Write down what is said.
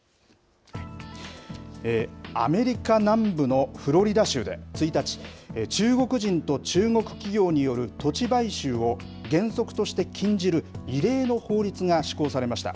アメリカ南部のフロリダ州で１日、中国人と中国企業による土地買収を原則として禁じる、異例の法律が施行されました。